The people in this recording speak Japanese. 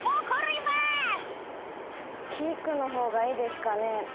キックの方がいいですかね。